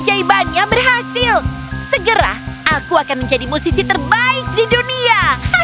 kejaibannya berhasil segera aku akan menjadi musisi terbaik di dunia